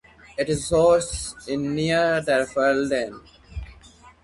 Its source is near Dreifelden.